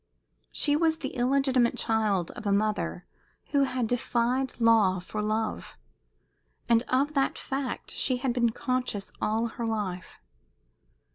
She was the illegitimate child of a mother who had defied law for love, and of that fact she had been conscious all her life.